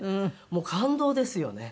もう感動ですよね。